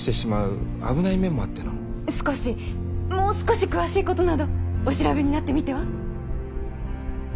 少しもう少し詳しいことなどお調べになってみては？